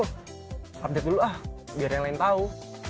update dulu ah biar yang lain tahu